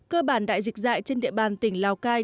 cơ bản đại dịch dạy trên địa bàn tỉnh lào cai